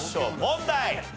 問題。